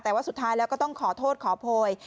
แต่ว่าสุดท้ายแล้วก็ต้องขอโทษขอโพย